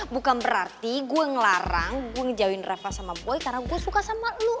bukan berarti gue ngelarang gue ngejauin rafa sama boy karena gue suka sama lo